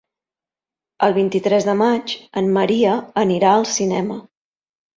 El vint-i-tres de maig en Maria anirà al cinema.